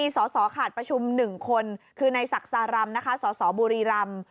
สสขาดประชุม๑คนคือในศักดิ์สารำนะคะสสบุรีรำ